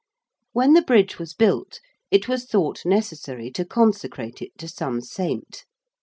When the Bridge was built it was thought necessary to consecrate it to some saint.